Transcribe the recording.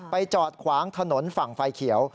จอดขวางถนนฝั่งไฟเขียว